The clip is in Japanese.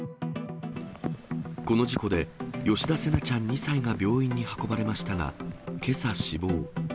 この事故で、吉田成那ちゃん２歳が病院に運ばれましたが、けさ死亡。